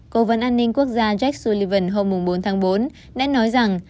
cố vấn an ninh quốc gia jek sullivan hôm bốn tháng bốn đã nói rằng